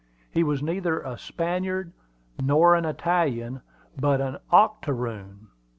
He was neither a Spaniard nor an Italian, but an octoroon.